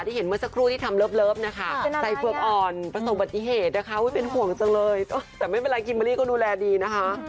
แต่ไม่เป็นไรกิมมาลิก็ดูแลดีนะคะ